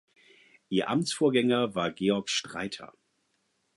Ihr Amtsvorgänger war Georg Streiter.